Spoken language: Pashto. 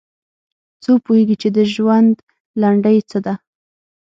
څوک پوهیږي چې د ژوند لنډۍ څه ده